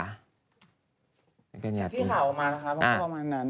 ข่าวออกมาแล้วครับเพราะว่าประมาณนั้น